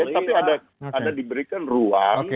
tapi ada diberikan ruang